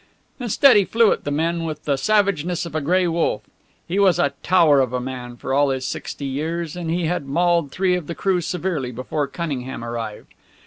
Instead he flew at the men with the savageness of a gray wolf. He was a tower of a man, for all his sixty years; and he had mauled three of the crew severely before Cunningham arrived.